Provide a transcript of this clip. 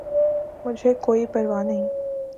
!مجھے کوئ پرواہ نہیں